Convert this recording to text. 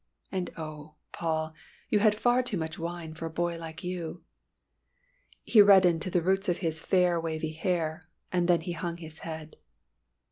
And oh! Paul, you had far too much wine for a boy like you!" He reddened to the roots of his fair wavy hair, and then he hung his head.